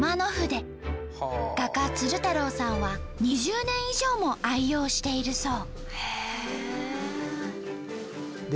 画家鶴太郎さんは２０年以上も愛用しているそう。